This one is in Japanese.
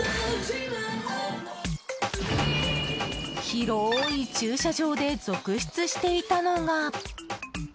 広い駐車場で続出していたのが。